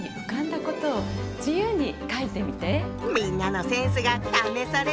みんなのセンスが試されるねぇ。